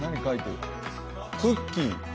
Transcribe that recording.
クッキー？